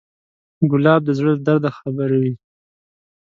ګلاب د زړه له درده خبروي.